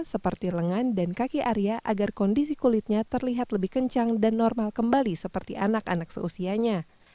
seperti lengan dan kaki arya agar kondisi kulitnya terlihat lebih kencang dan normal kembali seperti anak anak seusianya